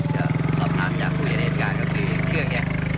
จะสอบถามจากผู้เห็นเหตุการณ์ก็คือเครื่องนี้